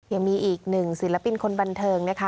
ยังมีอีกหนึ่งศิลปินคนบันเทิงนะคะ